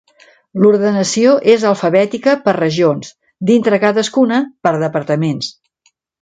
L'ordenació és alfabètica per regions; dintre cadascuna, per departaments.